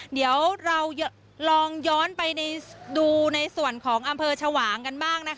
เดี๋ยวเราลองย้อนไปดูในส่วนของอำเภอชวางกันบ้างนะคะ